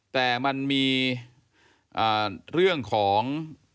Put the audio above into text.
แต่มันมีเรื่องของ